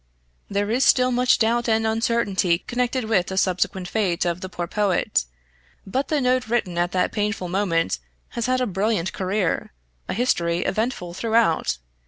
There is still much doubt and uncertainty connected with the subsequent fate of the poor poet, but the note written at that painful moment has had a brilliant career, a history eventful throughout.